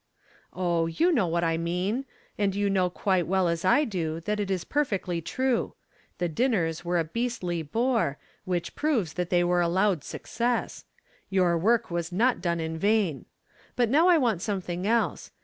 "Oh, you know what I mean. And you know quite as well as I do that it is perfectly true. The dinners were a beastly bore, which proves that they were a loud success. Your work was not done in vain. But now I want something else.